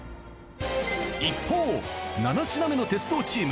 一方７品目の鉄道チーム。